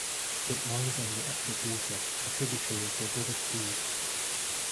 It lies on the Ettrick Water, a tributary of the River Tweed.